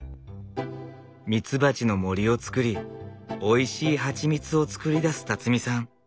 ミツバチの森をつくりおいしいハチミツを作り出すさん。